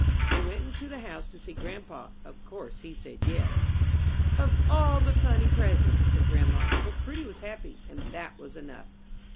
They went into the house to see grandpa. Of course he said Yes. "Of all the funny presents!" said grandma; but Prudy was happy, and that was enough.